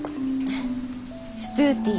ストゥーティー。